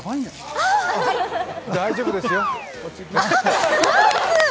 大丈夫ですよ。